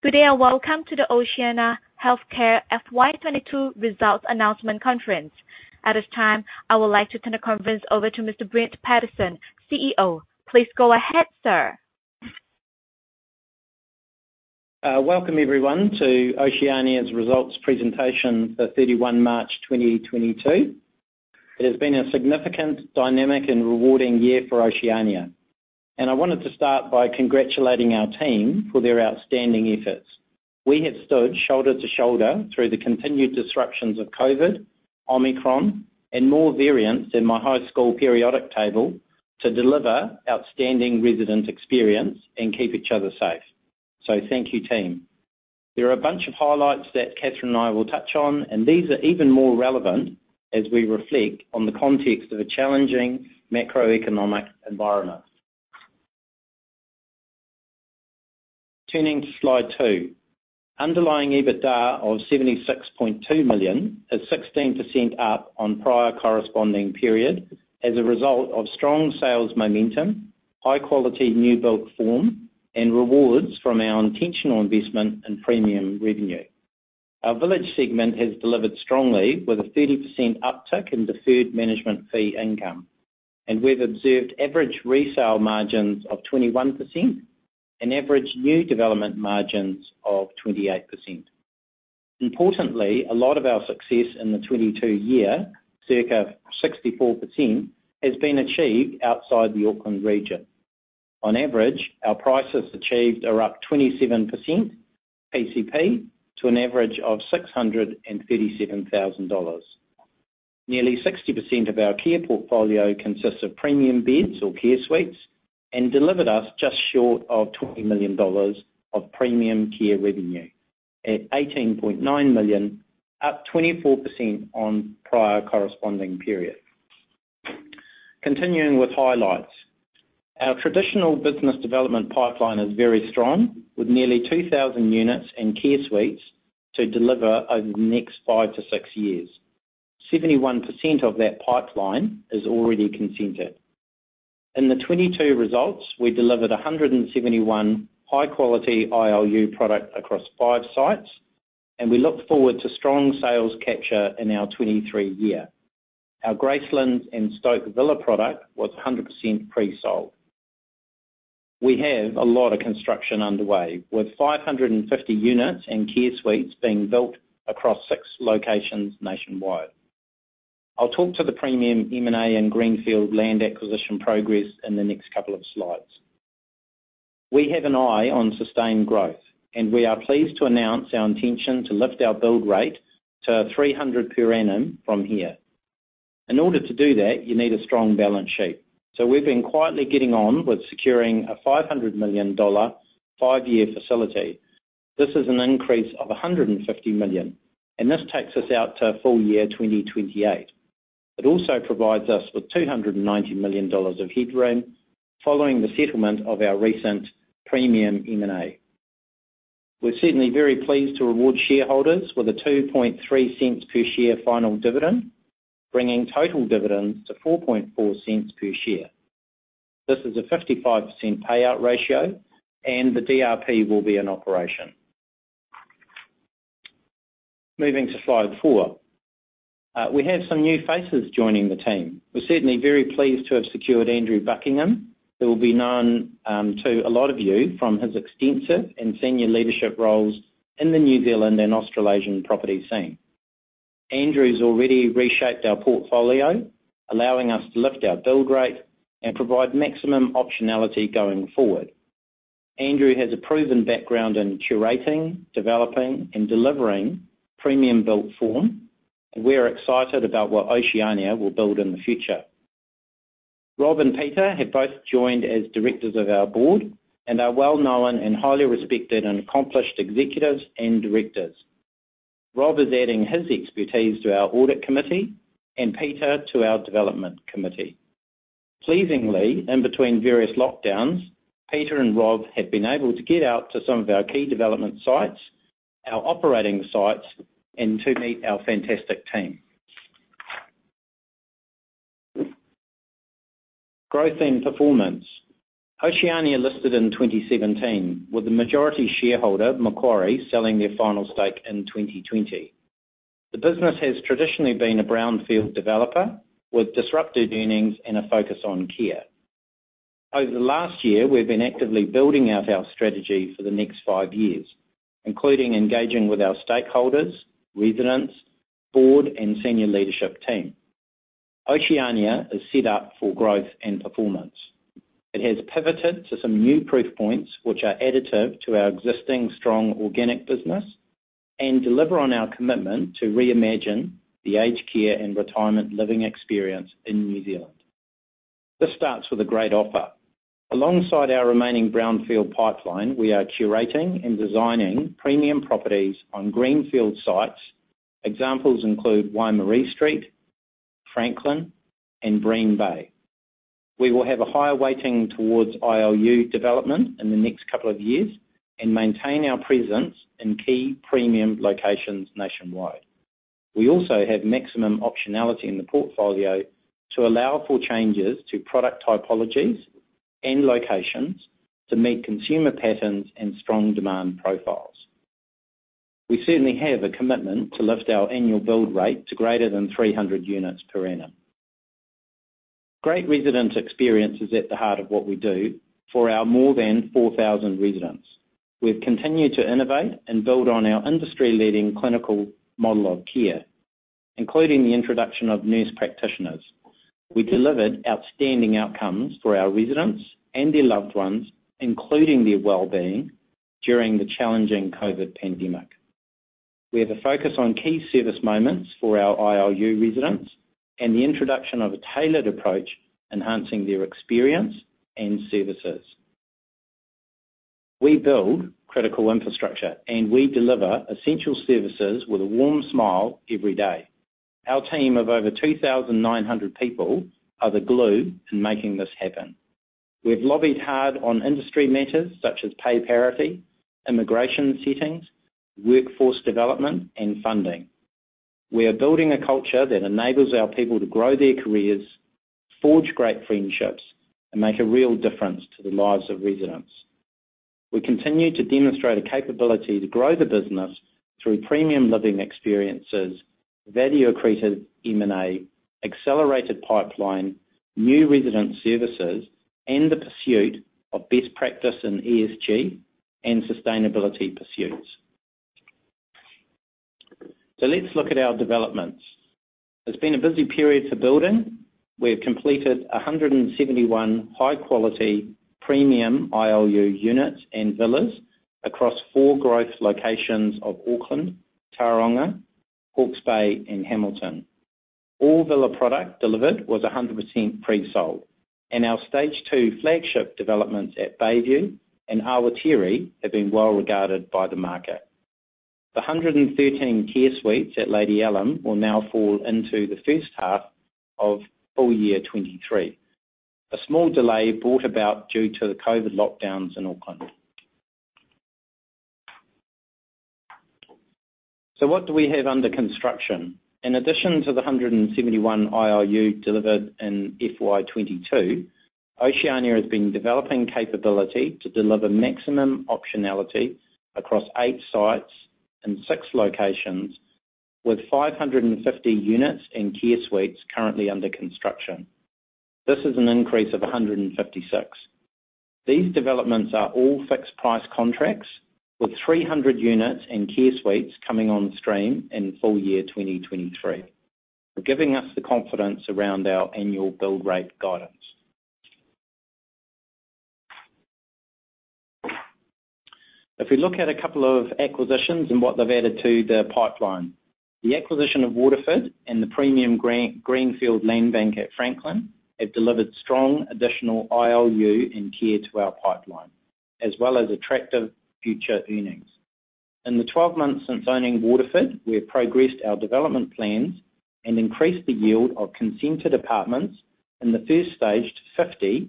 Good day, and welcome to the Oceania Healthcare FY22 Results Announcement Conference. At this time, I would like to turn the conference over to Mr. Brent Pattison, CEO. Please go ahead, sir. Welcome everyone to Oceania's results presentation for 31 March 2022. It has been a significantly dynamic and rewarding year for Oceania. I wanted to start by congratulating our team for their outstanding efforts. We have stood shoulder to shoulder through the continued disruptions of COVID, Omicron, and more variants in my high school periodic table to deliver outstanding resident experience and keep each other safe. Thank you, team. There are a bunch of highlights that Kathryn and I will touch on, and these are even more relevant as we reflect on the context of a challenging macroeconomic environment. Turning to slide two. Underlying EBITDA of 76.2 million is 16% up on prior corresponding period as a result of strong sales momentum, high quality new build form, and rewards from our intentional investment in premium revenue. Our Village segment has delivered strongly with a 30% uptick in deferred management fee income. We've observed average resale margins of 21% and average new development margins of 28%. Importantly, a lot of our success in the 2022 year, circa 64%, has been achieved outside the Auckland region. On average, our prices achieved are up 27% PCP to an average of 637,000 dollars. Nearly 60% of our care portfolio consists of premium beds or care suites and delivered us just short of 20 million dollars of premium care revenue at 18.9 million, up 24% on prior corresponding period. Continuing with highlights. Our traditional business development pipeline is very strong with nearly 2,000 units and care suites to deliver over the next 5-6 years. 71% of that pipeline is already consented. In the 2022 results, we delivered 171 high-quality ILU product across 5 sites, and we look forward to strong sales capture in our 2023 year. Our Gracelands and Stoke Village product was 100% pre-sold. We have a lot of construction underway, with 550 units and Care Suites being built across 6 locations nationwide. I'll talk to the premium M&A and greenfield land acquisition progress in the next couple of slides. We have an eye on sustained growth, and we are pleased to announce our intention to lift our build rate to 300 per annum from here. In order to do that, you need a strong balance sheet. We've been quietly getting on with securing a 500 million dollar five-year facility. This is an increase of 150 million, and this takes us out to full year 2028. It also provides us with 290 million dollars of headroom following the settlement of our recent premium M&A. We're certainly very pleased to reward shareholders with a 0.023 per share final dividend, bringing total dividends to 0.044 per share. This is a 55% payout ratio, and the DRP will be in operation. Moving to slide four. We have some new faces joining the team. We're certainly very pleased to have secured Andrew Buckingham, who will be known to a lot of you from his extensive and senior leadership roles in the New Zealand and Australasian property scene. Andrew's already reshaped our portfolio, allowing us to lift our build rate and provide maximum optionality going forward. Andrew has a proven background in curating, developing, and delivering premium built form. We're excited about what Oceania will build in the future. Rob and Peter have both joined as directors of our board and are well-known and highly respected and accomplished executives and directors. Rob is adding his expertise to our audit committee and Peter to our development committee. Pleasingly, in between various lockdowns, Peter and Rob have been able to get out to some of our key development sites, our operating sites, and to meet our fantastic team. Growth and performance. Oceania listed in 2017, with the majority shareholder, Macquarie, selling their final stake in 2020. The business has traditionally been a brownfield developer with disrupted earnings and a focus on care. Over the last year, we've been actively building out our strategy for the next five years, including engaging with our stakeholders, residents, board, and senior leadership team. Oceania is set up for growth and performance. It has pivoted to some new proof points which are additive to our existing strong organic business and deliver on our commitment to reimagine the aged care and retirement living experience in New Zealand. This starts with a great offer. Alongside our remaining brownfield pipeline, we are curating and designing premium properties on greenfield sites. Examples include Waimarie Street, Franklin, and Bream Bay. We will have a higher weighting towards ILU development in the next couple of years and maintain our presence in key premium locations nationwide. We also have maximum optionality in the portfolio to allow for changes to product typologies and locations to meet consumer patterns and strong demand profiles. We certainly have a commitment to lift our annual build rate to greater than 300 units per annum. Great resident experience is at the heart of what we do for our more than 4,000 residents. We've continued to innovate and build on our industry-leading clinical model of care, including the introduction of nurse practitioners. We delivered outstanding outcomes for our residents and their loved ones, including their wellbeing during the challenging COVID pandemic. We have a focus on key service moments for our ILU residents and the introduction of a tailored approach enhancing their experience and services. We build critical infrastructure, and we deliver essential services with a warm smile every day. Our team of over 2,900 people are the glue in making this happen. We've lobbied hard on industry matters such as pay parity, immigration settings, workforce development, and funding. We are building a culture that enables our people to grow their careers, forge great friendships, and make a real difference to the lives of residents. We continue to demonstrate a capability to grow the business through premium living experiences, value-accreted M&A, accelerated pipeline, new resident services, and the pursuit of best practice in ESG and sustainability pursuits. Let's look at our developments. It's been a busy period for building. We have completed 171 high-quality premium ILU units and villas across four growth locations of Auckland, Tauranga, Hawke's Bay, and Hamilton. All villa product delivered was 100% pre-sold, and our stage 2 flagship developments at Bayview and Awatere have been well-regarded by the market. The 113 Care Suites at Lady Allum will now fall into the first half of full year 2023. A small delay brought about due to the COVID lockdowns in Auckland. What do we have under construction? In addition to the 171 ILUs delivered in FY 2022, Oceania has been developing capability to deliver maximum optionality across 8 sites in 6 locations with 550 units and Care Suites currently under construction. This is an increase of 156. These developments are all fixed-price contracts, with 300 units and Care Suites coming on stream in full year 2023, giving us the confidence around our annual build rate guidance. If we look at a couple of acquisitions and what they've added to the pipeline, the acquisition of Waterford and the premium greenfield land bank at Franklin have delivered strong additional ILUs and Care Suites to our pipeline, as well as attractive future earnings. In the 12 months since owning Waterford, we have progressed our development plans and increased the yield of consented apartments in the first stage to 50,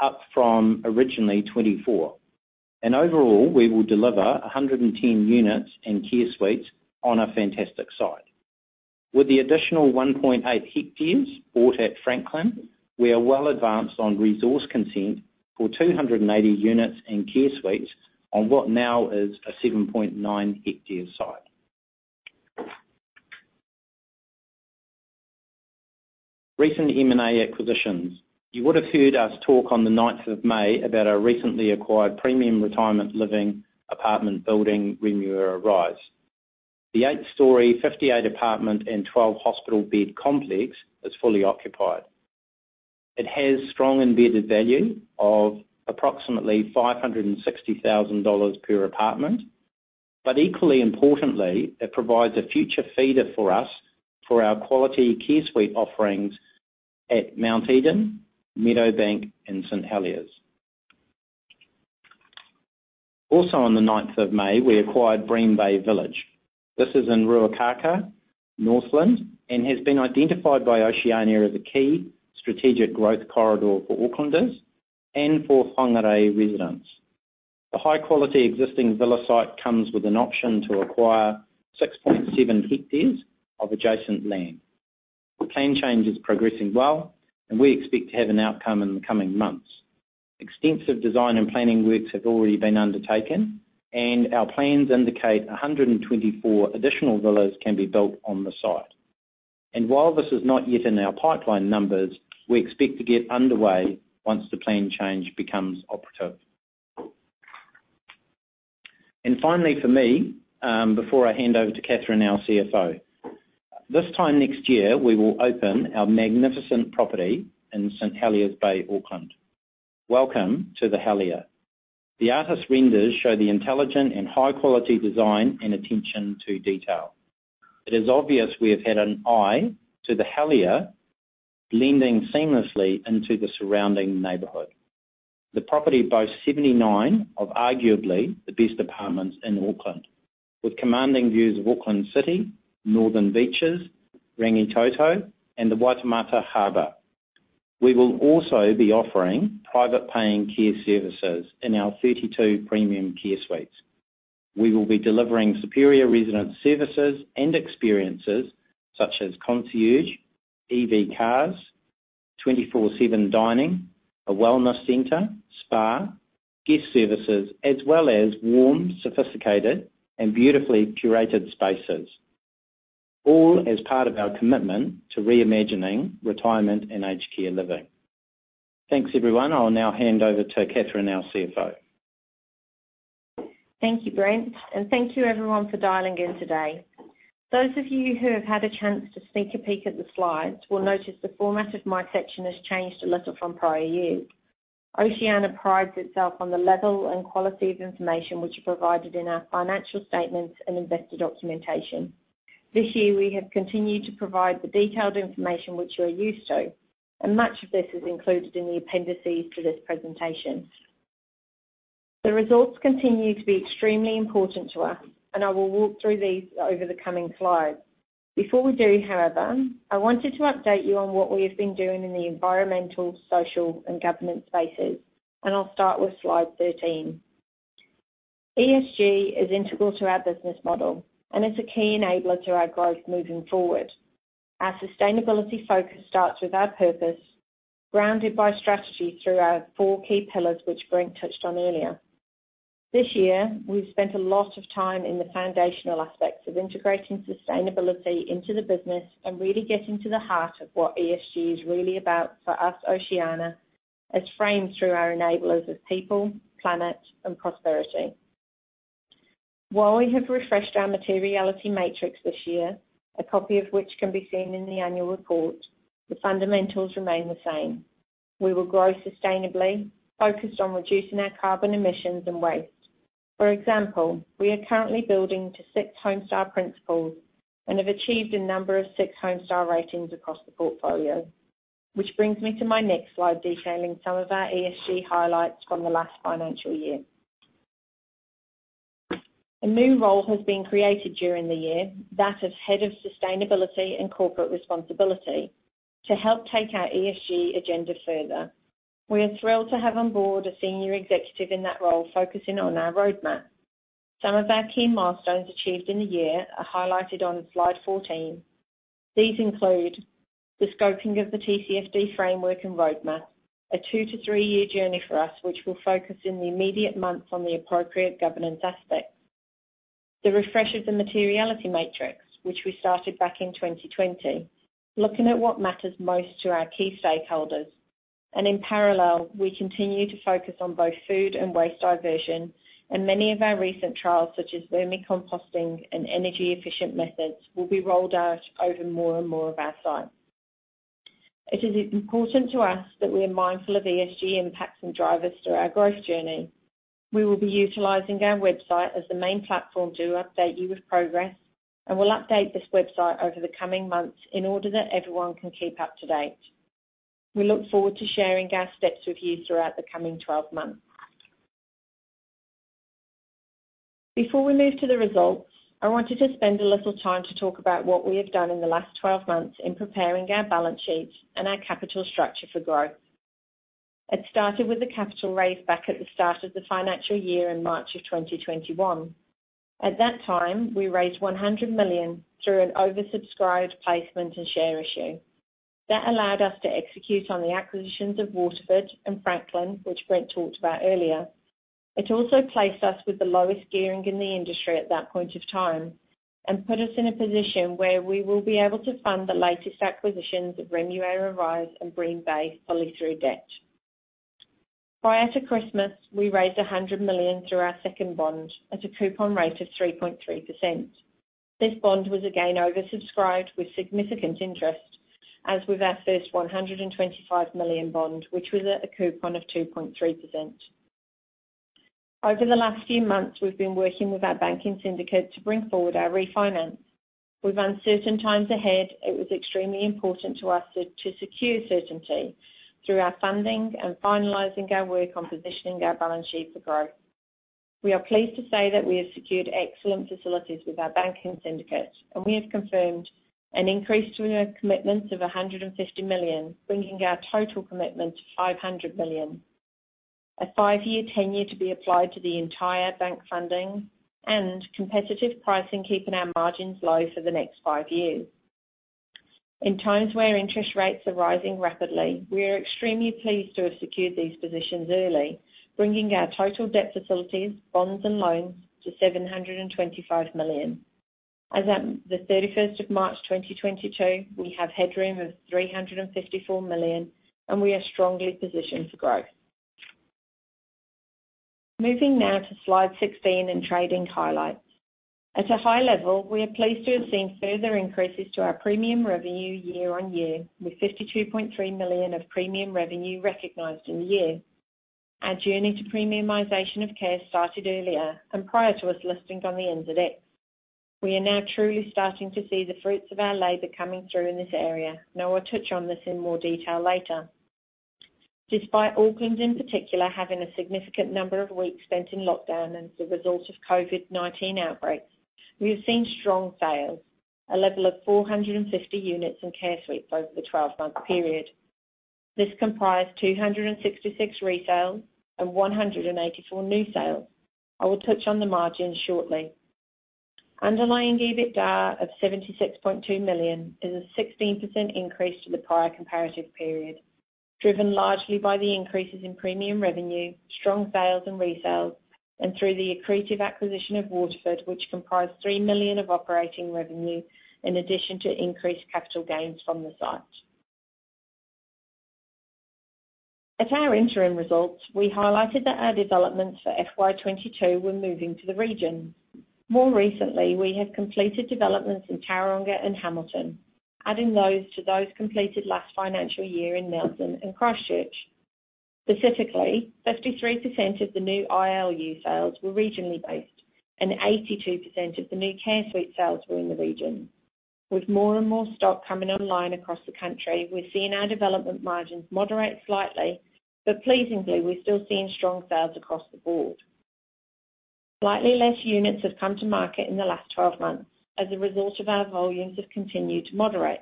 up from originally 24. Overall, we will deliver 110 units and care suites on a fantastic site. With the additional 1.8 hectares bought at Franklin, we are well advanced on resource consent for 280 units and care suites on what now is a 7.9-hectare site. Recent M&A acquisitions. You would have heard us talk on the ninth of May about our recently acquired premium retirement living apartment building, Remuera Rise. The 8-story 58-apartment and 12-hospital-bed complex is fully occupied. It has strong embedded value of approximately 560,000 dollars per apartment. Equally importantly, it provides a future feeder for us for our quality care suite offerings at Mount Eden, Meadowbank and St Heliers. On the ninth of May, we acquired Bream Bay Village. This is in Ruakākā, Northland, and has been identified by Oceania as a key strategic growth corridor for Aucklanders and for Whangārei residents. The high-quality existing villa site comes with an option to acquire 6.7 hectares of adjacent land. The plan change is progressing well, and we expect to have an outcome in the coming months. Extensive design and planning works have already been undertaken, and our plans indicate 124 additional villas can be built on the site. While this is not yet in our pipeline numbers, we expect to get underway once the plan change becomes operative. Finally, for me, before I hand over to Kathryn, our CFO, this time next year, we will open our magnificent property in St Heliers, Auckland. Welcome to The Helier. The artist renders show the intelligent and high-quality design and attention to detail. It is obvious we have had an eye to The Helier blending seamlessly into the surrounding neighborhood. The property boasts 79 of arguably the best apartments in Auckland, with commanding views of Auckland City, Northern Beaches, Rangitoto and the Waitemata Harbor. We will also be offering private paying care services in our 32 premium care suites. We will be delivering superior resident services and experiences such as concierge, EV cars, 24/7 dining, a wellness center, spa, guest services. As well as warm, sophisticated, and beautifully curated spaces, all as part of our commitment to reimagining retirement and aged care living. Thanks, everyone. I'll now hand over to Kathryn, our CFO. Thank you, Brent, and thank you everyone for dialing in today. Those of you who have had a chance to sneak a peek at the slides will notice the format of my section has changed a little from prior years. Oceania prides itself on the level and quality of information which are provided in our financial statements and investor documentation. This year, we have continued to provide the detailed information which you are used to, and much of this is included in the appendices to this presentation. The results continue to be extremely important to us, and I will walk through these over the coming slides. Before we do, however, I wanted to update you on what we have been doing in the environmental, social, and governance spaces, and I'll start with slide 13. ESG is integral to our business model and is a key enabler to our growth moving forward. Our sustainability focus starts with our purpose, grounded by strategy through our four key pillars, which Brent touched on earlier. This year, we've spent a lot of time in the foundational aspects of integrating sustainability into the business and really getting to the heart of what ESG is really about for us, Oceania, as framed through our enablers of people, planet, and prosperity. While we have refreshed our materiality matrix this year, a copy of which can be seen in the annual report, the fundamentals remain the same. We will grow sustainably, focused on reducing our carbon emissions and waste. For example, we are currently building to 6 Homestar principles and have achieved a number of 6 Homestar ratings across the portfolio. Which brings me to my next slide, detailing some of our ESG highlights from the last financial year. A new role has been created during the year, that of Head of Sustainability and Corporate Responsibility, to help take our ESG agenda further. We are thrilled to have on board a senior executive in that role focusing on our roadmap. Some of our key milestones achieved in the year are highlighted on slide 14. These include the scoping of the TCFD framework and roadmap, a 2-3-year journey for us which will focus in the immediate months on the appropriate governance aspects. The refresh of the materiality matrix, which we started back in 2020, looking at what matters most to our key stakeholders. In parallel, we continue to focus on both food and waste diversion and many of our recent trials, such as vermicomposting and energy-efficient methods, will be rolled out over more and more of our sites. It is important to us that we are mindful of ESG impacts and drivers through our growth journey. We will be utilizing our website as the main platform to update you with progress, and we'll update this website over the coming months in order that everyone can keep up to date. We look forward to sharing our steps with you throughout the coming 12 months. Before we move to the results, I wanted to spend a little time to talk about what we have done in the last 12 months in preparing our balance sheets and our capital structure for growth. It started with a capital raise back at the start of the financial year in March 2021. At that time, we raised 100 million through an oversubscribed placement and share issue. That allowed us to execute on the acquisitions of Waterford and Franklin, which Brent talked about earlier. It also placed us with the lowest gearing in the industry at that point of time and put us in a position where we will be able to fund the latest acquisitions of Remuera Rise and Green Bay fully through debt. Prior to Christmas, we raised 100 million through our second bond at a coupon rate of 3.3%. This bond was again oversubscribed with significant interest, as with our first 125 million bond, which was at a coupon of 2.3%. Over the last few months, we've been working with our banking syndicate to bring forward our refinance. With uncertain times ahead, it was extremely important to us to secure certainty through our funding and finalizing our work on positioning our balance sheet for growth. We are pleased to say that we have secured excellent facilities with our banking syndicate, and we have confirmed an increase to a commitment of 150 million, bringing our total commitment to 500 million. A five-year tenure to be applied to the entire bank funding and competitive pricing, keeping our margins low for the next five years. In times where interest rates are rising rapidly, we are extremely pleased to have secured these positions early, bringing our total debt facilities, bonds and loans to 725 million. As at the 31st of March 2022, we have headroom of 354 million, and we are strongly positioned for growth. Moving now to slide 16 in trading highlights. At a high level, we are pleased to have seen further increases to our premium revenue year-on-year, with 52.3 million of premium revenue recognized in the year. Our journey to premiumization of care started earlier and prior to us listing on the NZX. We are now truly starting to see the fruits of our labor coming through in this area, and I will touch on this in more detail later. Despite Auckland in particular having a significant number of weeks spent in lockdown as a result of COVID-19 outbreaks, we've seen strong sales, a level of 450 units and Care Suites over the 12-month period. This comprised 266 resales and 184 new sales. I will touch on the margins shortly. Underlying EBITDA of 76.2 million is a 16% increase to the prior comparative period, driven largely by the increases in premium revenue, strong sales and resales, and through the accretive acquisition of Waterford, which comprised 3 million of operating revenue in addition to increased capital gains from the site. At our interim results, we highlighted that our developments for FY 2022 were moving to the region. More recently, we have completed developments in Tauranga and Hamilton, adding those to those completed last financial year in Nelson and Christchurch. Specifically, 53% of the new ILU sales were regionally based, and 82% of the new care suite sales were in the region. With more and more stock coming online across the country, we're seeing our development margins moderate slightly, but pleasingly, we're still seeing strong sales across the board. Slightly less units have come to market in the last 12 months as a result, our volumes have continued to moderate.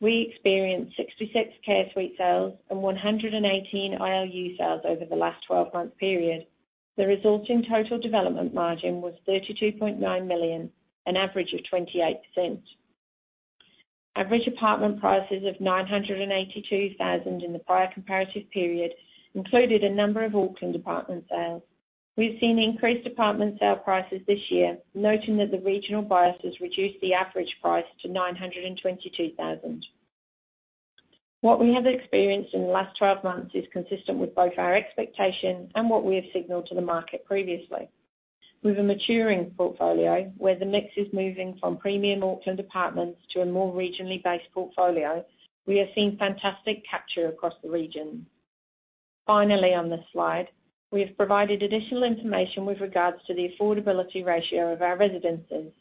We experienced 66 Care Suite sales and 118 ILU sales over the last 12-month period. The resulting total development margin was 32.9 million, an average of 28%. Average apartment prices of 982 thousand in the prior comparative period included a number of Auckland apartment sales. We've seen increased apartment sale prices this year, noting that the regional biases reduced the average price to 922 thousand. What we have experienced in the last 12 months is consistent with both our expectation and what we have signaled to the market previously. With a maturing portfolio where the mix is moving from premium Auckland apartments to a more regionally based portfolio, we are seeing fantastic capture across the region. Finally, on this slide, we have provided additional information with regards to the affordability ratio of our residences.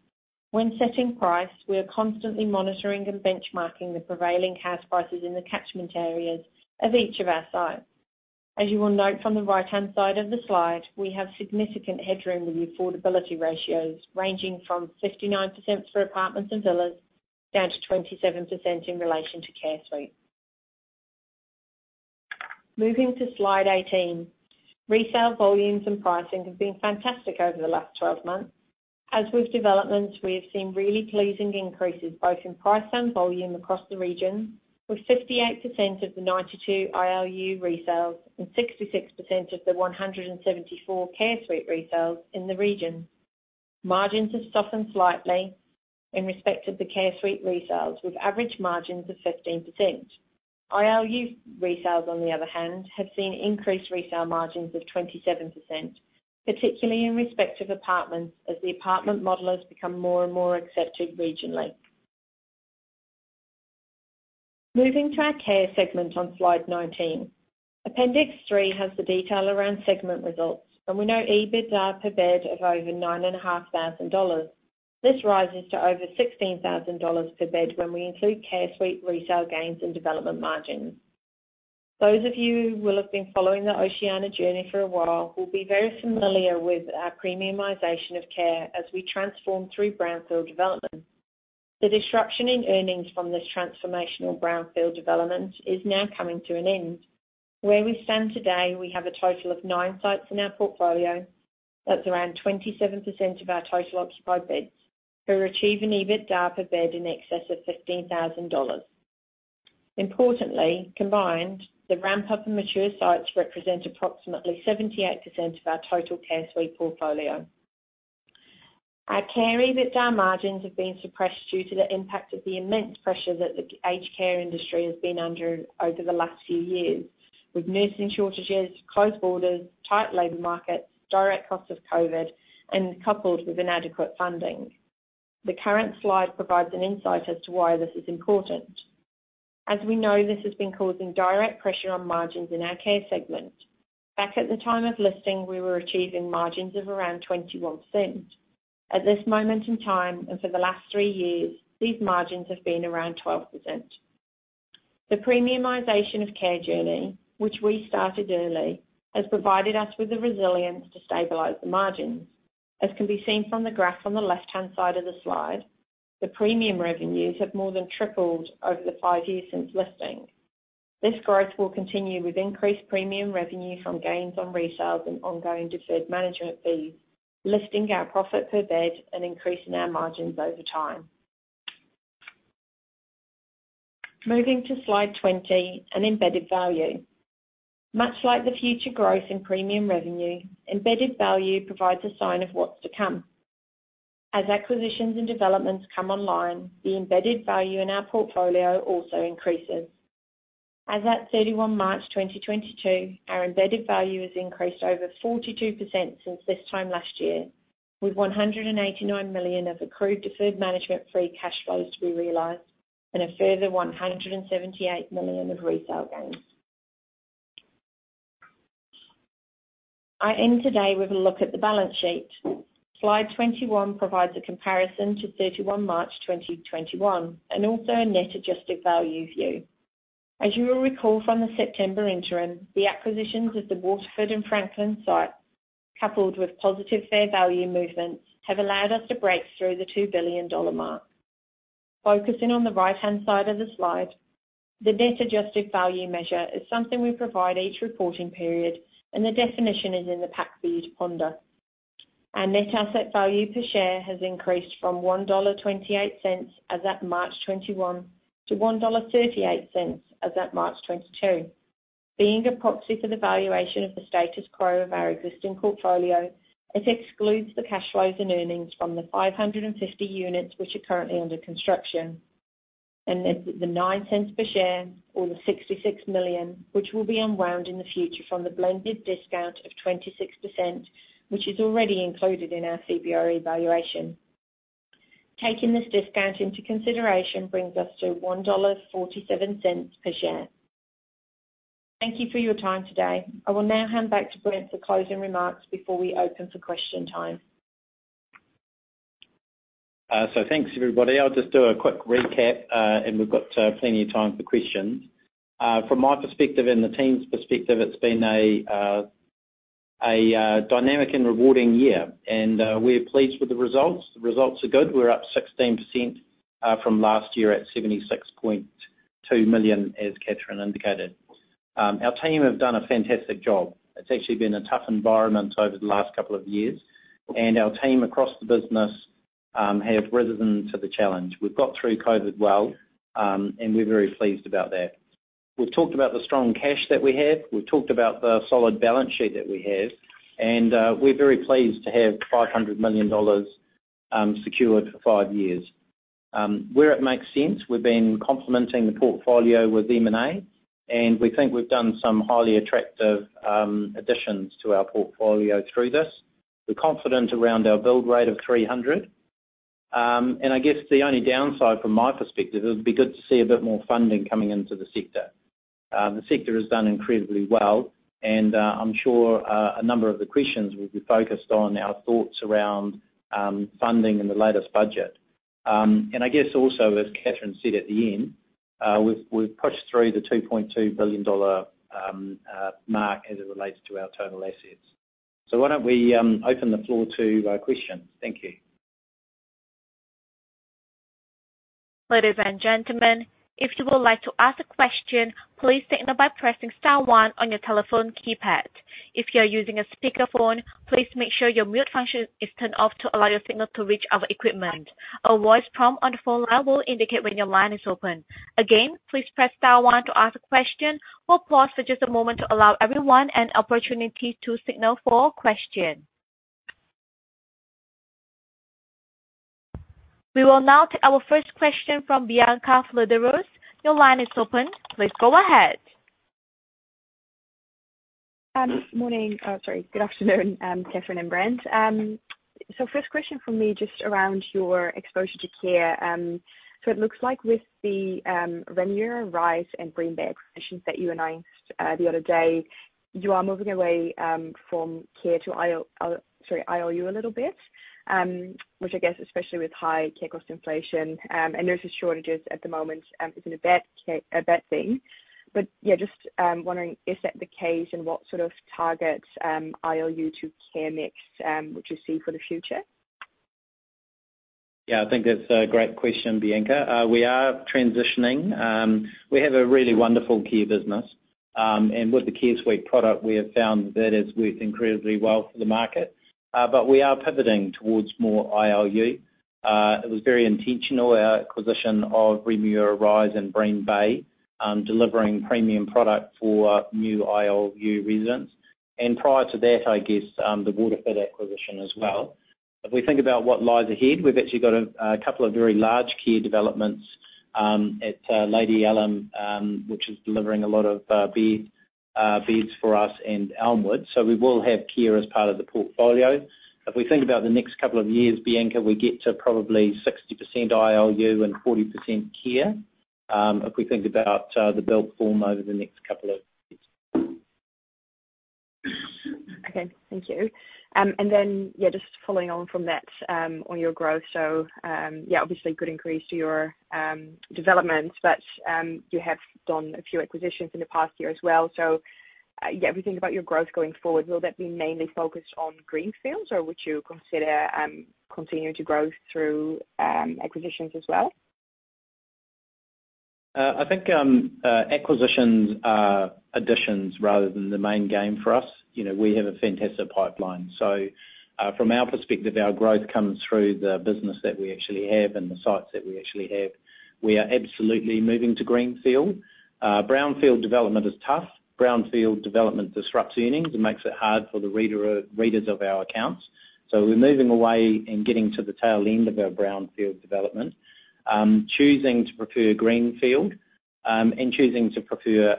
When setting price, we are constantly monitoring and benchmarking the prevailing house prices in the catchment areas of each of our sites. As you will note from the right-hand side of the slide, we have significant headroom with the affordability ratios ranging from 59% for apartments and villas down to 27% in relation to Care Suites. Moving to slide 18. Resale volumes and pricing have been fantastic over the last 12 months. As with developments, we have seen really pleasing increases both in price and volume across the region, with 58% of the 92 ILU resales and 66% of the 174 Care Suite resales in the region. Margins have softened slightly in respect of the Care Suite resales, with average margins of 15%. ILU resales, on the other hand, have seen increased resale margins of 27%, particularly in respect of apartments as the apartment model has become more and more accepted regionally. Moving to our care segment on slide 19. Appendix 3 has the detail around segment results, and we note EBITDA per bed of over 9,500 dollars. This rises to over 16,000 dollars per bed when we include Care Suite resale gains and development margins. Those of you who will have been following the Oceania journey for a while will be very familiar with our premiumization of care as we transform through brownfield development. The disruption in earnings from this transformational brownfield development is now coming to an end. Where we stand today, we have a total of 9 sites in our portfolio. That's around 27% of our total occupied beds who are achieving EBITDA per bed in excess of 15,000 dollars. Importantly, combined, the ramp-up in mature sites represent approximately 78% of our total Care Suites portfolio. Our care EBITDA margins have been suppressed due to the impact of the immense pressure that the aged care industry has been under over the last few years, with nursing shortages, closed borders, tight labor markets, direct costs of COVID, and coupled with inadequate funding. The current slide provides an insight as to why this is important. As we know, this has been causing direct pressure on margins in our care segment. Back at the time of listing, we were achieving margins of around 21%. At this moment in time and for the last 3 years, these margins have been around 12%. The premiumization of care journey, which we started early, has provided us with the resilience to stabilize the margins. As can be seen from the graph on the left-hand side of the slide, the premium revenues have more than tripled over the 5 years since listing. This growth will continue with increased premium revenue from gains on resales and ongoing deferred management fees, lifting our profit per bed and increasing our margins over time. Moving to slide 20 on embedded value. Much like the future growth in premium revenue, embedded value provides a sign of what's to come. As acquisitions and developments come online, the embedded value in our portfolio also increases. As at 31 March 2022, our embedded value has increased over 42% since this time last year, with 189 million of accrued deferred management fee cash flows to be realized and a further 178 million of resale gains. I end today with a look at the balance sheet. Slide 21 provides a comparison to 31 March 2021, and also a net adjusted value view. As you will recall from the September interim, the acquisitions of the Waterford and Franklin sites, coupled with positive fair value movements, have allowed us to break through the 2 billion dollar mark. Focusing on the right-hand side of the slide, the net adjusted value measure is something we provide each reporting period, and the definition is in the pack for you to ponder. Our net asset value per share has increased from 1.28 dollar as at March 2021 to 1.38 dollar as at March 2022. Being a proxy for the valuation of the status quo of our existing portfolio, it excludes the cash flows and earnings from the 550 units which are currently under construction. The nine cents per share or the 66 million, which will be unwound in the future from the blended discount of 26%, which is already included in our CBRE valuation. Taking this discount into consideration brings us to 1.47 dollar per share. Thank you for your time today. I will now hand back to Brent for closing remarks before we open for question time. Thanks, everybody. I'll just do a quick recap, and we've got plenty of time for questions. From my perspective and the team's perspective, it's been a dynamic and rewarding year, and we're pleased with the results. The results are good. We're up 16% from last year at 76.2 million, as Kathryn indicated. Our team have done a fantastic job. It's actually been a tough environment over the last couple of years, and our team across the business have risen to the challenge. We've got through COVID well, and we're very pleased about that. We've talked about the strong cash that we have, we've talked about the solid balance sheet that we have, and we're very pleased to have 500 million dollars secured for 5 years. Where it makes sense, we've been complementing the portfolio with M&A, and we think we've done some highly attractive additions to our portfolio through this. We're confident around our build rate of 300. I guess the only downside from my perspective is it'd be good to see a bit more funding coming into the sector. The sector has done incredibly well, and I'm sure a number of the questions will be focused on our thoughts around funding and the latest budget. I guess also, as Kathryn said at the end, we've pushed through the 2.2 billion dollar mark as it relates to our total assets. Why don't we open the floor to questions. Thank you. Ladies and gentlemen, if you would like to ask a question, please signal by pressing star one on your telephone keypad. If you are using a speakerphone, please make sure your mute function is turned off to allow your signal to reach our equipment. A voice prompt on the phone line will indicate when your line is open. Again, please press star one to ask a question. We'll pause for just a moment to allow everyone an opportunity to signal for question. We will now take our first question from Bianca Fledderus. Your line is open. Please go ahead. Good afternoon, Kathryn and Brent. First question from me, just around your exposure to care. It looks like with the Remuera Rise and Bream Bay acquisitions that you announced the other day, you are moving away from care to ILU a little bit, which I guess especially with high care cost inflation and nurse shortages at the moment isn't a bad thing. Yeah, just wondering is that the case, and what sort of targets ILU to care mix would you see for the future? Yeah, I think that's a great question, Bianca. We are transitioning. We have a really wonderful care business. With the Care Suite product, we have found that has worked incredibly well for the market. We are pivoting towards more ILU. It was very intentional, our acquisition of Remuera Rise and Bream Bay, delivering premium product for new ILU residents. Prior to that, I guess, the Waterford acquisition as well. If we think about what lies ahead, we've actually got a couple of very large care developments at Lady Allum, which is delivering a lot of beds for us and Elmwood. We will have care as part of the portfolio. If we think about the next couple of years, Bianca, we get to probably 60% ILU and 40% care, if we think about the build form over the next couple of years. Okay. Thank you. Yeah, just following on from that, on your growth. Yeah, obviously good increase to your developments, but you have done a few acquisitions in the past year as well. Yeah, if you think about your growth going forward, will that be mainly focused on greenfields, or would you consider continuing to grow through acquisitions as well? I think acquisitions are additions rather than the main game for us. You know, we have a fantastic pipeline. From our perspective, our growth comes through the business that we actually have and the sites that we actually have. We are absolutely moving to greenfield. Brownfield development is tough. Brownfield development disrupts earnings and makes it hard for the readers of our accounts. We're moving away and getting to the tail end of our brownfield development, choosing to prefer greenfield, and choosing to prefer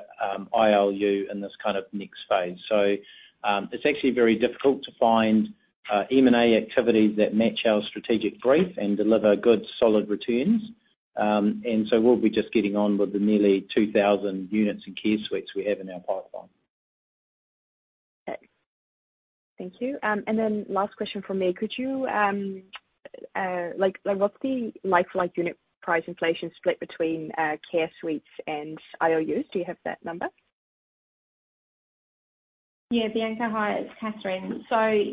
ILU in this kind of next phase. It's actually very difficult to find M&A activities that match our strategic brief and deliver good, solid returns, and we'll be just getting on with the nearly 2,000 units in Care Suites we have in our pipeline. Okay. Thank you. Last question from me, could you like what's the like-for-like unit price inflation split between Care Suites and ILUs? Do you have that number? Yeah, Bianca. Hi, it's Kathryn.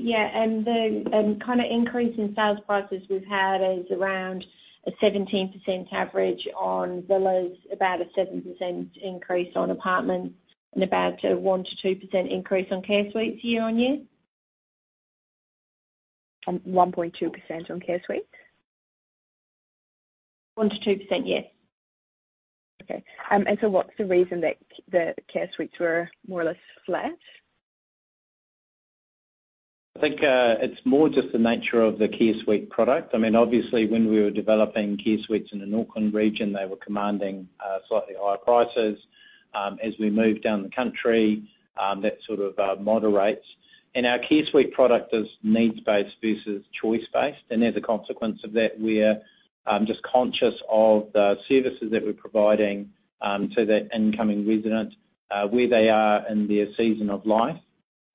Yeah, the kind of increase in sales prices we've had is around a 17% average on villas, about a 7% increase on apartments, and about a 1%-2% increase on Care Suites year-on-year. 1.2% on Care Suites? 1%-2%, yes. What's the reason that the Care Suites were more or less flat? I think, it's more just the nature of the Care Suites product. I mean, obviously when we were developing Care Suites in the Auckland region, they were commanding, slightly higher prices. As we moved down the country, that sort of, moderates. Our Care Suites product is needs-based versus choice-based. As a consequence of that, we're, just conscious of the services that we're providing, to that incoming resident, where they are in their season of life.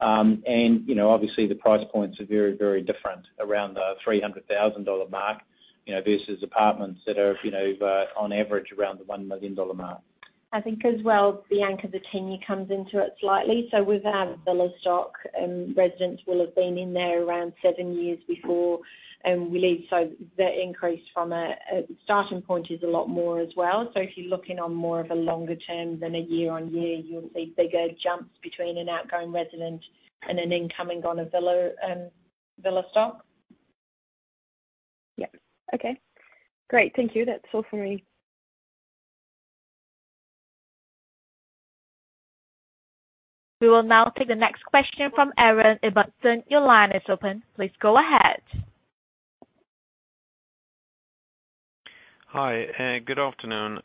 You know, obviously the price points are very, very different around the 300,000 dollar mark, you know, versus apartments that are, you know, on average, around the 1 million dollar mark. I think as well, Bianca, the tenure comes into it slightly. With our villa stock, residents will have been in there around seven years before we leave. The increase from a starting point is a lot more as well. If you're looking on more of a longer term than a year on year, you'll see bigger jumps between an outgoing resident and an incoming on a villa stock. Yeah. Okay. Great. Thank you. That's all for me. We will now take the next question from Aaron Ibbotson. Your line is open. Please go ahead. Hi, good afternoon,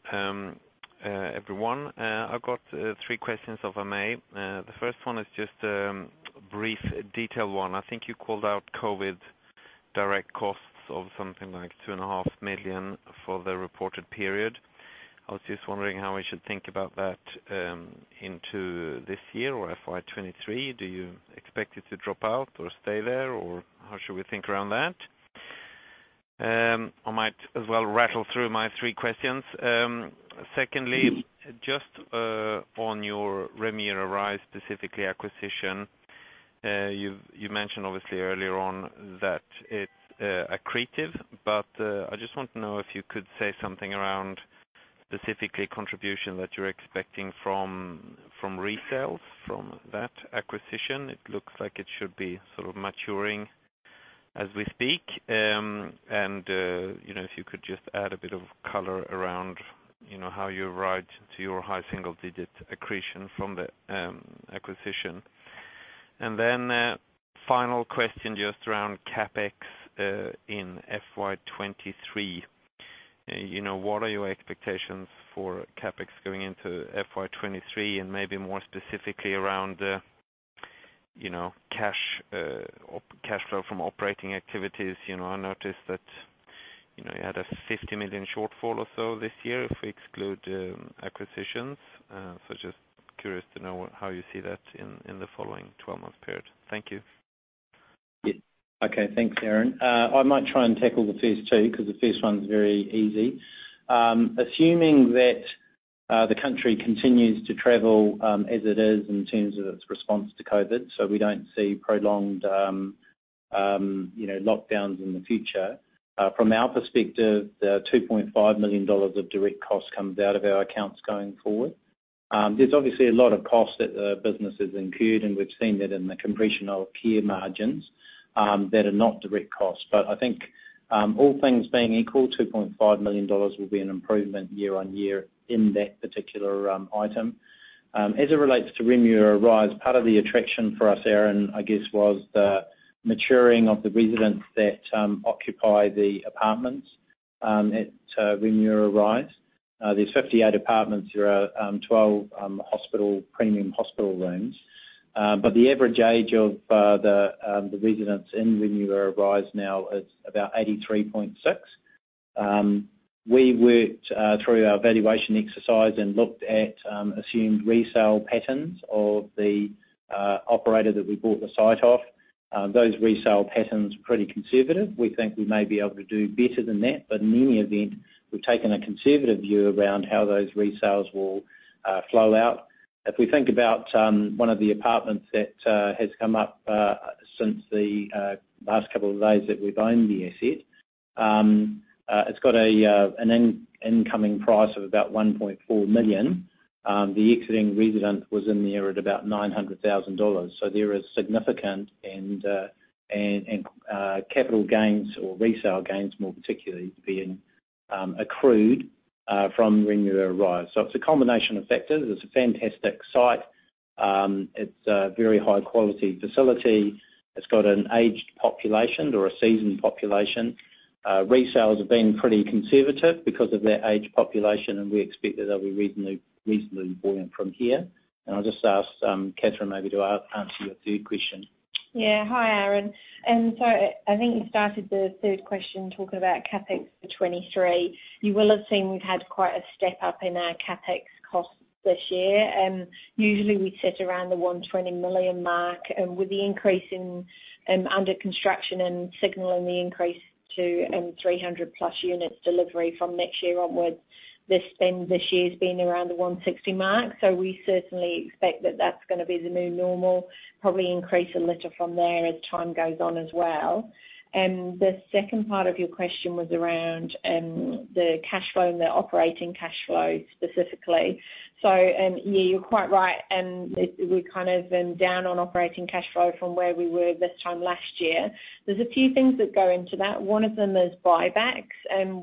everyone. I've got three questions if I may. The first one is just a brief detail one. I think you called out COVID direct costs of something like 2.5 million for the reported period. I was just wondering how we should think about that into this year or FY 2023. Do you expect it to drop out or stay there, or how should we think around that? I might as well rattle through my three questions. Secondly, just on your Remuera Rise, specifically acquisition. You mentioned obviously earlier on that it's accretive, but I just want to know if you could say something around specifically contribution that you're expecting from resales from that acquisition. It looks like it should be sort of maturing as we speak. You know, if you could just add a bit of color around, you know, how you arrived to your high single digit accretion from the acquisition. Then, final question, just around CapEx in FY 2023. You know, what are your expectations for CapEx going into FY 2023 and maybe more specifically around, you know, cash flow from operating activities? You know, I noticed that, you know, you had a 50 million shortfall or so this year if we exclude acquisitions. So just curious to know how you see that in the following 12-month period. Thank you. Yeah. Okay, thanks, Aaron. I might try and tackle the first two because the first one's very easy. Assuming that the country continues to travel as it is in terms of its response to COVID, so we don't see prolonged you know lockdowns in the future. From our perspective, the 2.5 million dollars of direct costs comes out of our accounts going forward. There's obviously a lot of costs that the business has incurred, and we've seen that in the compression of care margins that are not direct costs. I think all things being equal, 2.5 million dollars will be an improvement year-on-year in that particular item. As it relates to Remuera Rise, part of the attraction for us, Aaron, I guess, was the maturing of the residents that occupy the apartments at Remuera Rise. There's 58 apartments. There are 12 premium hospital rooms. But the average age of the residents in Remuera Rise now is about 83.6. We worked through our valuation exercise and looked at assumed resale patterns of the operator that we bought the site off. Those resale patterns are pretty conservative. We think we may be able to do better than that, but in any event, we've taken a conservative view around how those resales will flow out. If we think about one of the apartments that has come up since the last couple of days that we've owned the asset, it's got an incoming price of about 1.4 million. The exiting resident was in there at about 900,000 dollars. There is significant capital gains or resale gains, more particularly, being accrued from Remuera Rise. It's a combination of factors. It's a fantastic site. It's a very high quality facility. It's got an aged population or a seasoned population. Resales have been pretty conservative because of that aged population, and we expect that they'll be reasonably buoyant from here. I'll just ask Kathryn maybe to answer your third question. Yeah. Hi, Aaron. I think you started the third question talking about CapEx for 2023. You will have seen we've had quite a step-up in our CapEx costs this year. Usually we sit around the 120 million mark. With the increase in under construction and signal and the increase to 300+ units delivery from next year onwards, the spend this year's been around the 160 million mark. We certainly expect that that's gonna be the new normal, probably increase a little from there as time goes on as well. The second part of your question was around the cash flow and the operating cash flow specifically. Yeah, you're quite right, we're kind of down on operating cash flow from where we were this time last year. There's a few things that go into that. One of them is buybacks.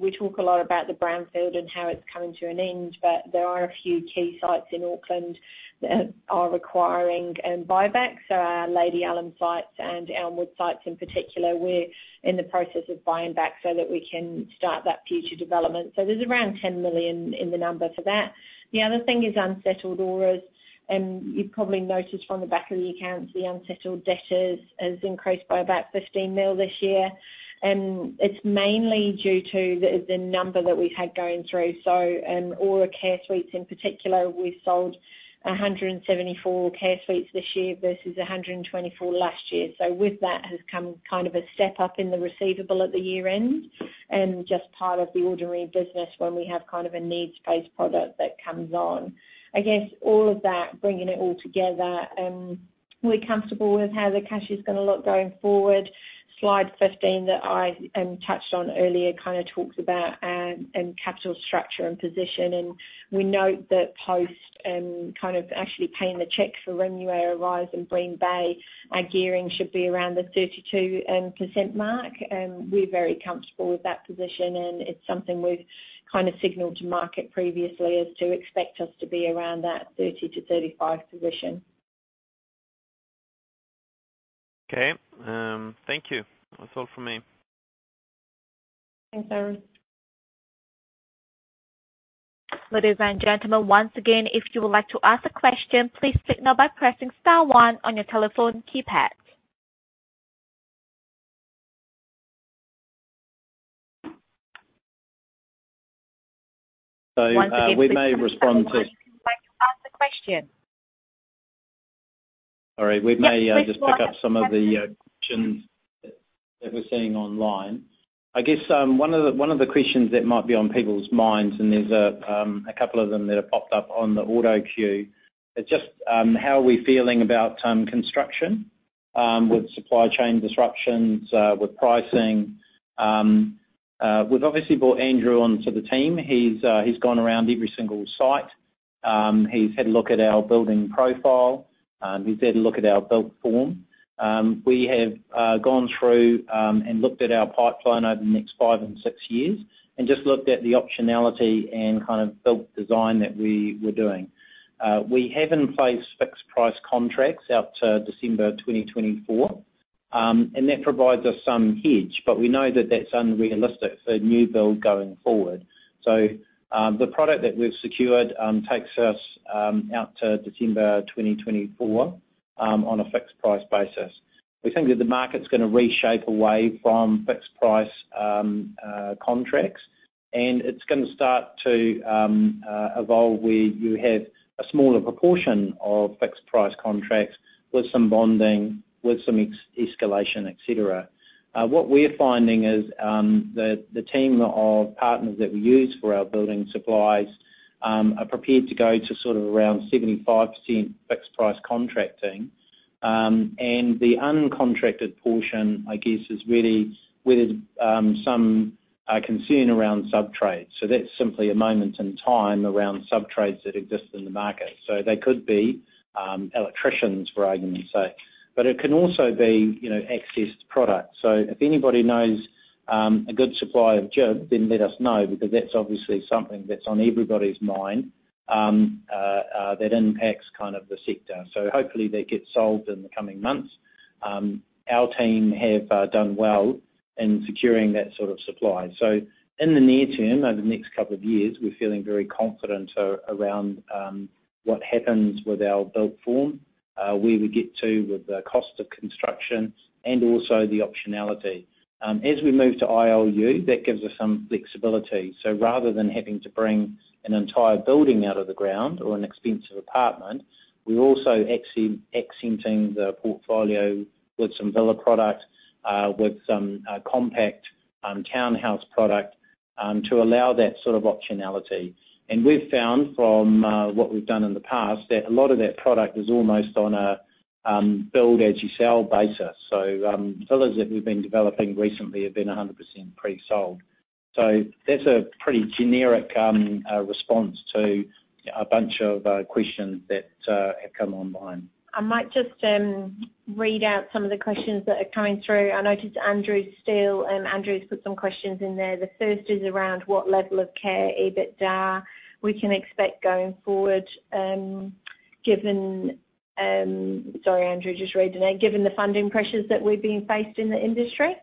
We talk a lot about the brownfield and how it's coming to an end, but there are a few key sites in Auckland that are requiring buybacks. Our Lady Allum sites and Elmwood sites in particular, we're in the process of buying back so that we can start that future development. There's around 10 million in the number for that. The other thing is unsettled ORAs. You've probably noticed from the back of the accounts, the unsettled debtors has increased by about 15 million this year. It's mainly due to the number that we've had going through. ORA Care Suites in particular, we've sold 174 Care Suites this year versus 124 last year. With that has come kind of a step up in the receivable at the year-end, and just part of the ordinary business when we have kind of a needs-based product that comes on. I guess all of that, bringing it all together, we're comfortable with how the cash is gonna look going forward. Slide 15 that I touched on earlier kinda talks about capital structure and position, and we note that post kind of actually paying the checks for Remuera Rise and Bream Bay, our gearing should be around the 32% mark. We're very comfortable with that position, and it's something we've kind of signaled to market previously as to expect us to be around that 30%-35% position. Okay. Thank you. That's all from me. Thanks, Aaron. Ladies and gentlemen, once again, if you would like to ask a question, please signal by pressing star one on your telephone keypad. So, uh, we may respond to- Once again, please press star one if you'd like to ask a question. Sorry. We may just pick up some of the questions that we're seeing online. I guess one of the questions that might be on people's minds, and there's a couple of them that have popped up on the auto queue, is just how are we feeling about construction with supply chain disruptions with pricing. We've obviously brought Andrew onto the team. He's gone around every single site. He's had a look at our building profile. He's had a look at our build form. We have gone through and looked at our pipeline over the next 5 and 6 years and just looked at the optionality and kind of build design that we were doing. We have in place fixed price contracts out to December 2024, and that provides us some hedge, but we know that that's unrealistic for new build going forward. The product that we've secured takes us out to December 2024 on a fixed price basis. We think that the market's gonna reshape away from fixed price contracts, and it's gonna start to evolve, where you have a smaller proportion of fixed price contracts with some bonding, with some escalation, et cetera. What we're finding is that the team of partners that we use for our building supplies are prepared to go to sort of around 75% fixed price contracting. The uncontracted portion, I guess, is really where there's some concern around subtrades. That's simply a moment in time around subtrades that exist in the market. They could be electricians, for argument's sake, but it can also be, you know, access to product. If anybody knows a good supply of Gib, then let us know, because that's obviously something that's on everybody's mind that impacts kind of the sector. Hopefully that gets solved in the coming months. Our team have done well in securing that sort of supply. In the near term, over the next couple of years, we're feeling very confident around what happens with our build form, where we get to with the cost of construction and also the optionality. As we move to ILU, that gives us some flexibility. Rather than having to bring an entire building out of the ground or an expensive apartment, we're also accenting the portfolio with some villa product, with some compact townhouse product, to allow that sort of optionality. We've found from what we've done in the past, that a lot of that product is almost on a build-as-you-sell basis. Villas that we've been developing recently have been 100% pre-sold. That's a pretty generic response to a bunch of questions that have come online. I might just read out some of the questions that are coming through. I noticed Andrew's still put some questions in there. The first is around what level of care EBITDA we can expect going forward, given. Sorry, Andrew. Just reading out. Given the funding pressures that we've been faced in the industry.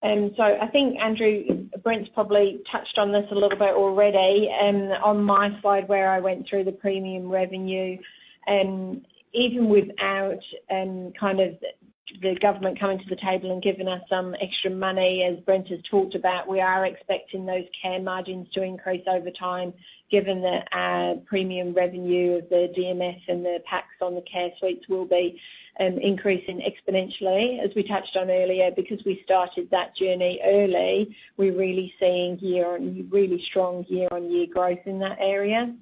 I think, Andrew, Brent's probably touched on this a little bit already, on my side where I went through the premium revenue. And even without kind of the government coming to the table and giving us some extra money, as Brent has talked about, we are expecting those care margins to increase over time, given that our premium revenue of the DMF and the PACs on the Care Suites will be increasing exponentially. As we touched on earlier, because we started that journey early, we're really seeing really strong year-on-year growth in that area.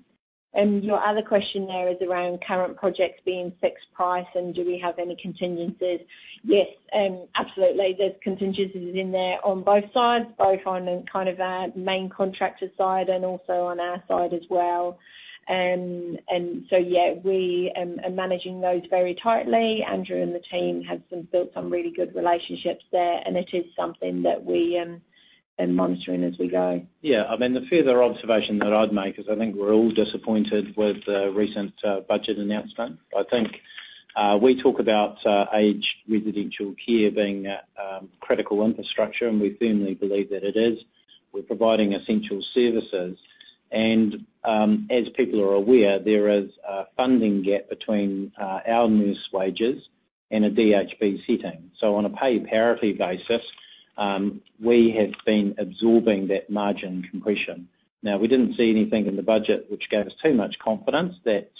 Your other question there is around current projects being fixed price and do we have any contingencies. Yes, absolutely. There's contingencies in there on both sides, both on kind of our main contractor side and also on our side as well. Yeah, we are managing those very tightly. Andrew and the team have built some really good relationships there, and it is something that we are monitoring as we go. Yeah. I mean, the further observation that I'd make is I think we're all disappointed with the recent budget announcement. I think we talk about aged residential care being a critical infrastructure, and we firmly believe that it is. We're providing essential services. As people are aware, there is a funding gap between our nurse wages in a DHB setting. So on a pay parity basis, we have been absorbing that margin compression. Now, we didn't see anything in the budget which gave us too much confidence that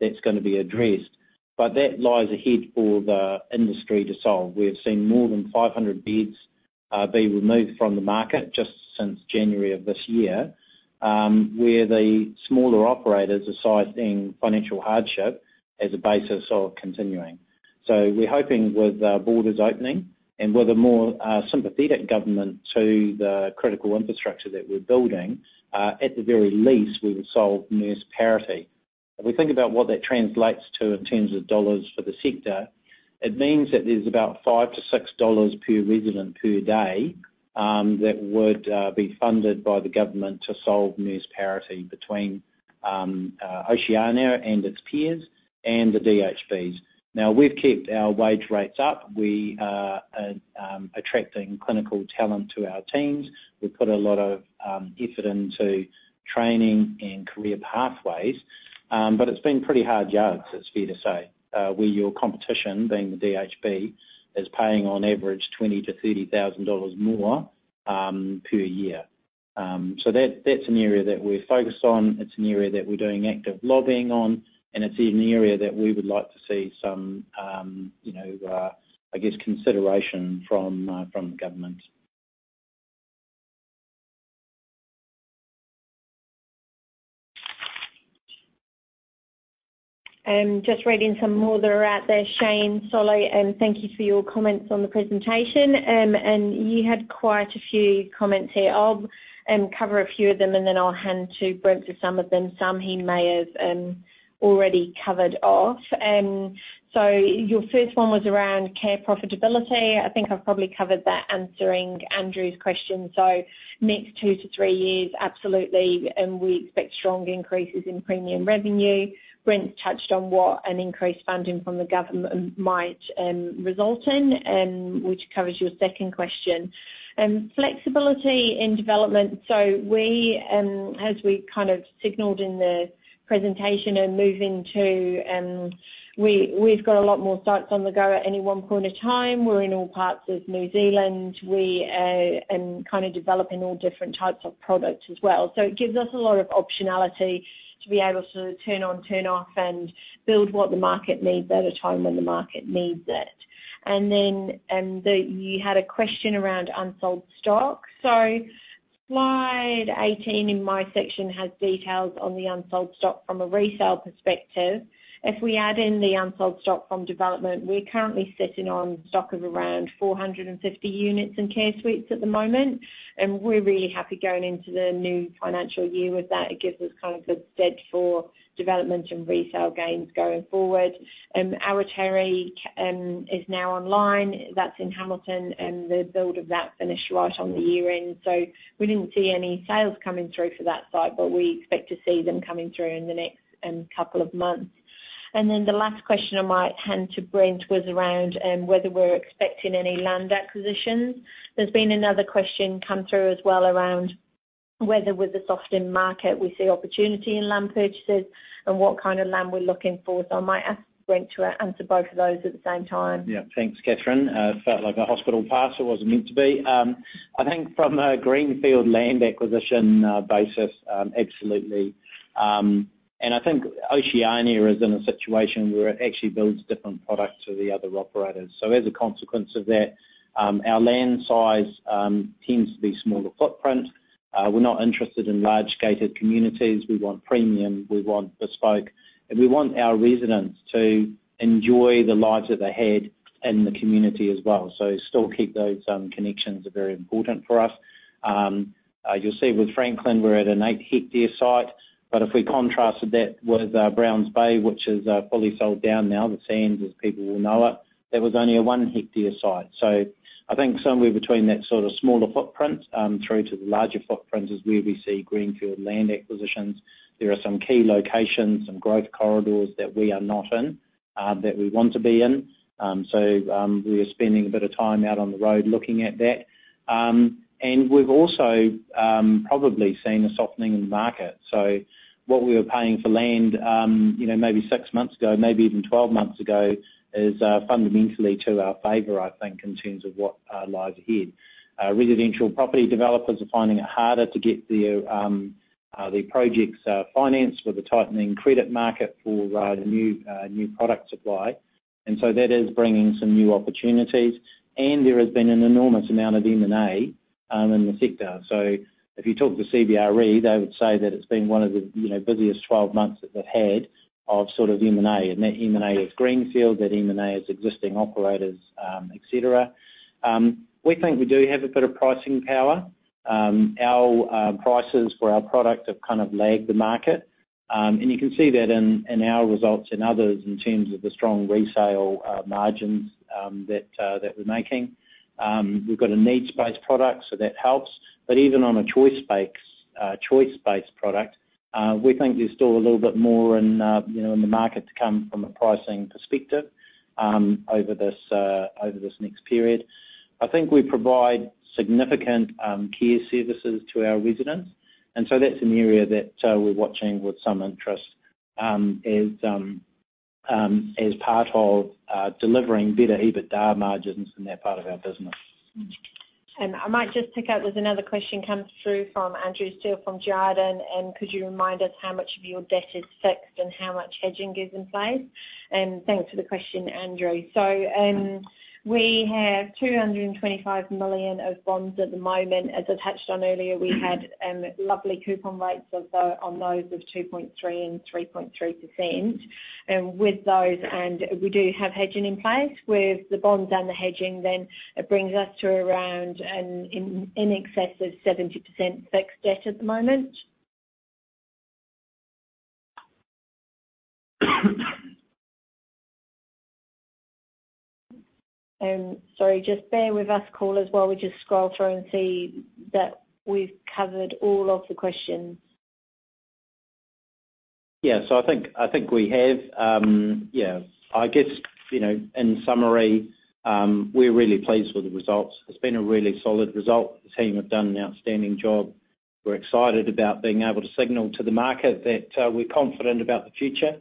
that's gonna be addressed, but that lies ahead for the industry to solve. We have seen more than 500 beds being removed from the market just since January of this year, where the smaller operators are citing financial hardship as a basis of continuing. We're hoping with borders opening and with a more sympathetic government to the critical infrastructure that we're building, at the very least, we will solve nurse parity. If we think about what that translates to in terms of dollars for the sector, it means that there's about 5-6 dollars per resident per day that would be funded by the government to solve nurse parity between Oceania and its peers and the DHBs. Now, we've kept our wage rates up. We are attracting clinical talent to our teams. We've put a lot of effort into training and career pathways. It's been pretty hard yards, it's fair to say, where your competition, being the DHB, is paying on average 20,000-30,000 dollars more per year. That's an area that we're focused on. It's an area that we're doing active lobbying on, and it's an area that we would like to see some, you know, I guess, consideration from the government. Just reading some more that are out there. Shane Solly, thank you for your comments on the presentation. You had quite a few comments here. I'll cover a few of them, and then I'll hand to Brent for some of them. Some he may have already covered off. Your first one was around care profitability. I think I've probably covered that answering Andrew's question. Next two to three years, absolutely. We expect strong increases in premium revenue. Brent touched on what an increased funding from the government might result in, which covers your second question. Flexibility in development. We, as we kind of signaled in the presentation and moving to, we've got a lot more sites on the go at any one point of time. We're in all parts of New Zealand. We're kind of developing all different types of products as well. It gives us a lot of optionality to be able to turn on, turn off, and build what the market needs at a time when the market needs it. You had a question around unsold stock. Slide 18 in my section has details on the unsold stock from a resale perspective. If we add in the unsold stock from development, we're currently sitting on stock of around 450 units in Care Suites at the moment, and we're really happy going into the new financial year with that. It gives us kind of a bed for development and resale gains going forward. Awatere is now online. That's in Hamilton, and the build of that finished right on the year-end. We didn't see any sales coming through for that site, but we expect to see them coming through in the next couple of months. Then the last question I might hand to Brent was around whether we're expecting any land acquisitions. There's been another question come through as well around whether with the softened market, we see opportunity in land purchases and what kind of land we're looking for. I might ask Brent to answer both of those at the same time. Yeah. Thanks, Kathryn. It felt like a hospital pass. It wasn't meant to be. I think from a greenfield land acquisition basis, absolutely. I think Oceania is in a situation where it actually builds different products to the other operators. So as a consequence of that, our land size tends to be smaller footprint. We're not interested in large gated communities. We want premium, we want bespoke, and we want our residents to enjoy the lives that they had in the community as well. Still keep those connections are very important for us. You'll see with Franklin, we're at an 8-hectare site. If we contrasted that with Browns Bay, which is fully sold down now, The Sands, as people will know it, that was only a 1-hectare site. I think somewhere between that sort of smaller footprint, through to the larger footprint is where we see greenfield land acquisitions. There are some key locations, some growth corridors that we are not in, that we want to be in. We're spending a bit of time out on the road looking at that. We've also probably seen a softening in the market. What we were paying for land, you know, maybe six months ago, maybe even twelve months ago, is fundamentally to our favor, I think, in terms of what lies ahead. Residential property developers are finding it harder to get their projects financed with the tightening credit market for the new product supply. That is bringing some new opportunities, and there has been an enormous amount of M&A in the sector. If you talk to CBRE, they would say that it's been one of the, you know, busiest 12 months that they've had of sort of M&A, and that M&A is greenfield, that M&A is existing operators, et cetera. We think we do have a bit of pricing power. Our prices for our product have kind of lagged the market. You can see that in our results and others in terms of the strong resale margins that we're making. We've got a needs-based product, so that helps. Even on a choice-based product, we think there's still a little bit more in, you know, in the market to come from a pricing perspective, over this next period. I think we provide significant care services to our residents, and so that's an area that we're watching with some interest, as part of delivering better EBITDA margins in that part of our business. I might just pick up as another question comes through from Andrew Steele from Jarden. Could you remind us how much of your debt is fixed and how much hedging is in place? Thanks for the question, Andrew. We have 225 million of bonds at the moment. As I've touched on earlier, we had lovely coupon rates of on those of 2.3% and 3.3%, with those. We do have hedging in place. With the bonds and the hedging, then it brings us to around in excess of 70% fixed debt at the moment. Sorry, just bear with us, callers, while we just scroll through and see that we've covered all of the questions. Yeah. I think we have. Yeah. I guess, you know, in summary, we're really pleased with the results. It's been a really solid result. The team have done an outstanding job. We're excited about being able to signal to the market that we're confident about the future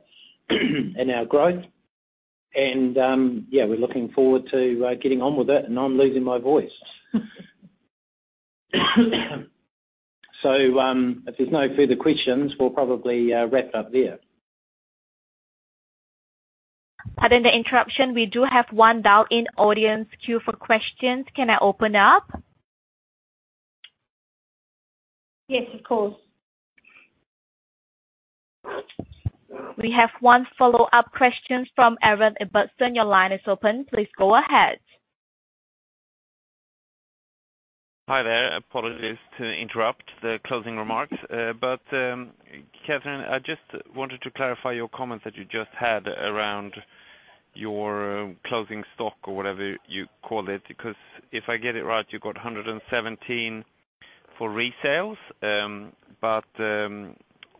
and our growth and, yeah, we're looking forward to getting on with it, and I'm losing my voice. If there's no further questions, we'll probably wrap up there. Pardon the interruption. We do have one dial-in audience queue for questions. Can I open it up? Yes, of course. We have one follow-up question from Aaron Ibbotson. Your line is open. Please go ahead. Hi there. Apologies to interrupt the closing remarks. Kathryn, I just wanted to clarify your comments that you just had around your closing stock or whatever you call it. Because if I get it right, you've got 117 for resales.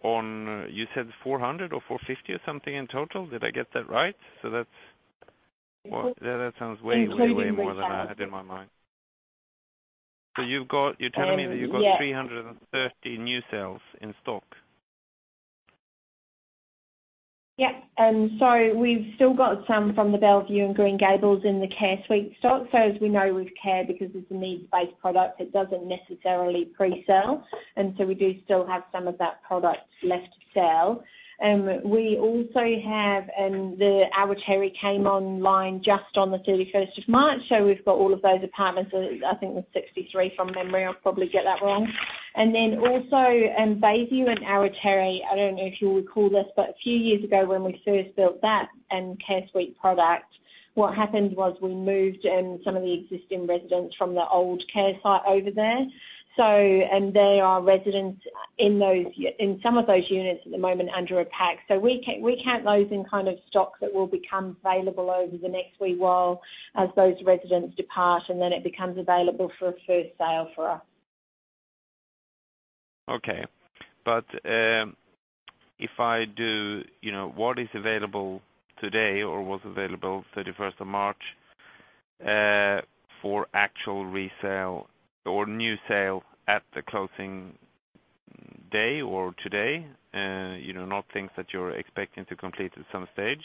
You said 400 or 450 or something in total. Did I get that right? That's well, yeah, that sounds way more than I had in my mind. It's way more than that. You're telling me that Yeah. You've got 330 new sales in stock? We've still got some from The Bellevue and Green Gables in the care suites stock. As we know with care, because it's a needs-based product, it doesn't necessarily pre-sell, and so we do still have some of that product left to sell. We also have, the Waterford came online just on the thirty-first of March, so we've got all of those apartments. I think it was 63 from memory. I'll probably get that wrong. Bayview and Waterford, I don't know if you'll recall this, but a few years ago when we first built that Care Suites product, what happened was we moved some of the existing residents from the old care site over there. They are residents in those, in some of those units at the moment under a PAC. We count those in kind of stock that will become available over the next week while as those residents depart, and then it becomes available for a first sale for us. If I do, you know, what is available today or was available 31st of March for actual resale or new sale at the closing day or today, you know, not things that you're expecting to complete at some stage?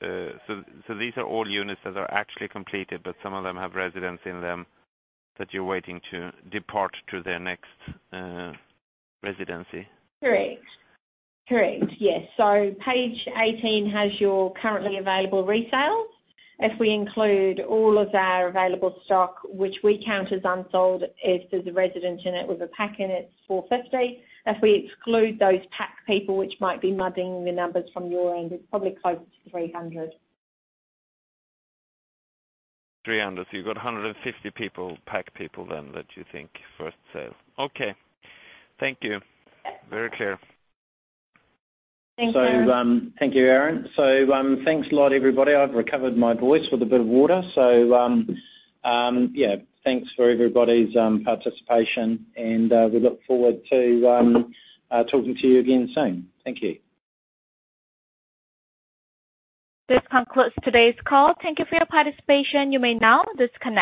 These are all units that are actually completed, but some of them have residents in them that you're waiting to depart to their next residency. Correct. Yes. Page 18 has your currently available resales. If we include all of our available stock, which we count as unsold, if there's a resident in it with a PAC in it's 450. If we exclude those PAC people, which might be muddying the numbers from your end, it's probably closer to 300. 300. You've got 150 people, PAC people then, that you think first sale. Okay. Thank you. Very clear. Thank you. Thank you, Aaron. Thanks a lot, everybody. I've recovered my voice with a bit of water. Yeah, thanks for everybody's participation and we look forward to talking to you again soon. Thank you. This concludes today's call. Thank you for your participation. You may now disconnect.